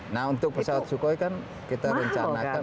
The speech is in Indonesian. nah untuk pesawat sukhoi kan kita rencanakan